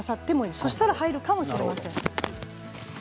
そうしたら、入るかもしれません。